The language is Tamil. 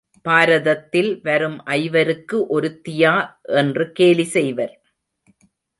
பாரதத்தில் வரும் ஐவருக்கு ஒருத்தியா என்று கேலி செய்வர்.